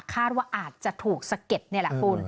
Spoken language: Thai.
คาดว่าอาจจะถูกสะเก็ดนี่แหละคุณ